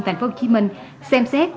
thành phố hồ chí minh xem xét